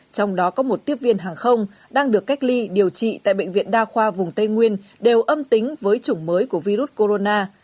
trong đó có một tiếp viên hàng không đang được cách ly điều trị tại bệnh viện đa khoa vùng tây nguyên đều âm tính với chủng mới của virus corona